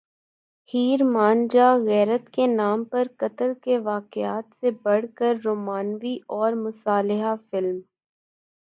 ہیر مان جا غیرت کے نام پر قتل کے واقعات سے بڑھ کر رومانوی اور مصالحہ فلم